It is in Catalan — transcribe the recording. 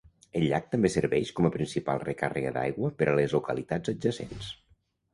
El llac també serveix com a principal recàrrega d'aigua per a les localitats adjacents.